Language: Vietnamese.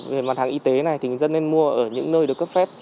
về mặt hàng y tế này thì người dân nên mua ở những nơi được cấp phép